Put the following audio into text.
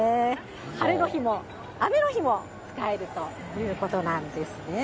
晴れの日も雨の日も使えるということなんですね。